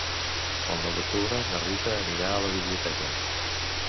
El nou d'octubre na Rita anirà a la biblioteca.